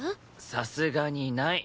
さすがにない！